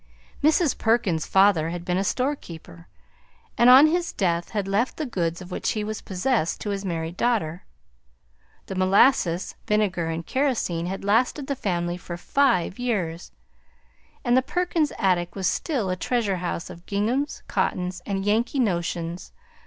Mrs. Perkins's father had been a storekeeper, and on his death had left the goods of which he was possessed to his married daughter. The molasses, vinegar, and kerosene had lasted the family for five years, and the Perkins attic was still a treasure house of ginghams, cottons, and "Yankee notions."